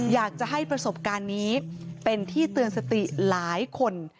อยากจะให้ประสบการณ์นี้เป็นที่เตือนสติหลายคน